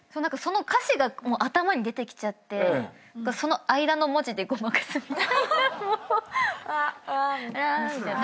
歌詞が頭に出てきちゃってその間の文字でごまかすみたいな。んぁんぁーみたいな。